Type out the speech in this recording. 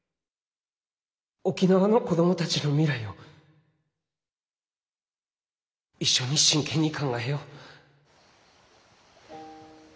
沖縄の子供たちの未来を一緒に真剣に考えよう。